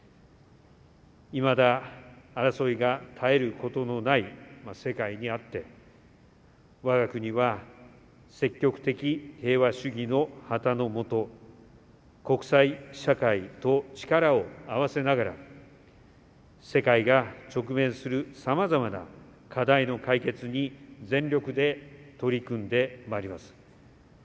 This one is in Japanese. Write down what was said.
未だ争いが絶えることのない世界にあって我が国は積極的平和主義の旗の下国際社会と力を合わせながら世界が直面する様々な課題の解決に全力で取り組んでまいります。